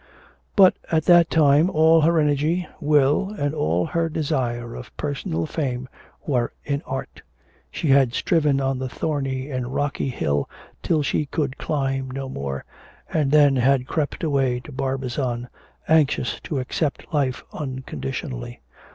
But at that time all her energy, will, and all her desire of personal fame were in art. She had striven on the thorny and rocky hill till she could climb no more, and then had crept away to Barbizon anxious to accept life unconditionally.